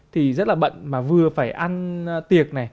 thì rất là bận mà vừa phải ăn tiệc